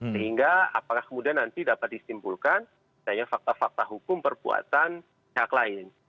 sehingga apakah kemudian nanti dapat disimpulkan fakta fakta hukum perbuatan pihak lain